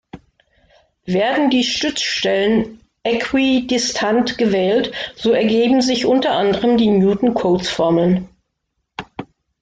Werden die Stützstellen äquidistant gewählt, so ergeben sich unter anderen die Newton-Cotes-Formeln.